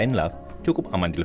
itu dan kejahatan itu